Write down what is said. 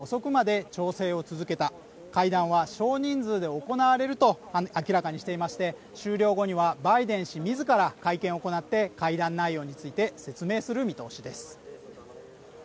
アメリカ政府の高官は今朝昨夜遅くまで調整を続けた会談は少人数で行われると明らかにしていまして、終了後には、バイデン氏自ら会見を行って会談内容について説明する見通しです。